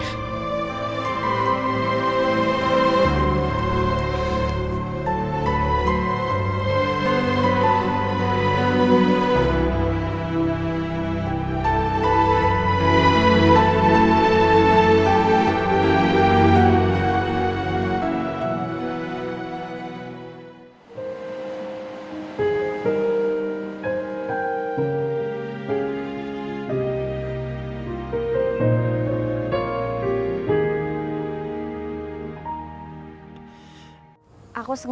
ya udah aku mau